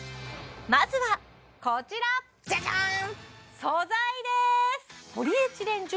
まずはこちらジャジャン！